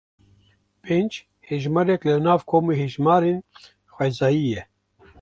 Pênc hejmarek li nav komê hejmarên xwezayî ye.